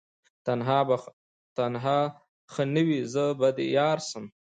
تنها ښه نه یې زه به دي یارسم